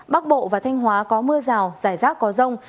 bắc bộ và thanh hóa có mưa rào rải rác có rông